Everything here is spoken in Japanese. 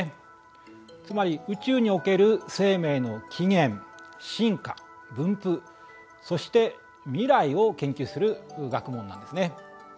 つまり宇宙における生命の起源進化分布そして未来を研究する学問なんですね。